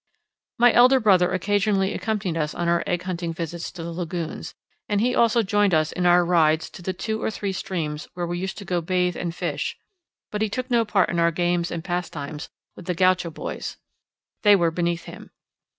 My elder brother occasionally accompanied us on our egg hunting visits to the lagoons, and he also joined us in our rides to the two or three streams where we used to go to bathe and fish; but he took no part in our games and pastimes with the gaucho boys: they were beneath him.